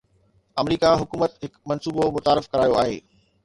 آمريڪي حڪومت هڪ منصوبو متعارف ڪرايو آهي